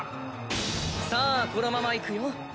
さぁこのままいくよ。